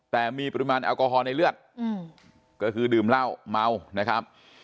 แต่มีปริมาณแอลกอฮอลในเลือดก็คือดื่มเหล้าเมานะครับ